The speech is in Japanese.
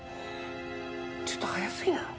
ちょっと早すぎない？